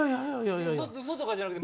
うそとかじゃなくて。